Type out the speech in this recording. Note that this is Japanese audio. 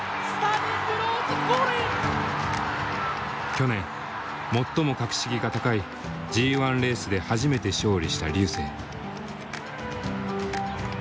去年最も格式が高いＧ１レースで初めて勝利した瑠星。